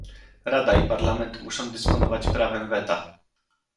Rada i Parlament muszą dysponować prawem weta